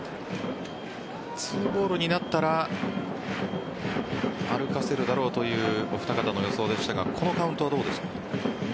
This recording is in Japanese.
２ボールになったら歩かせるだろうというお二方の予想でしたがこのカウントはどうですか？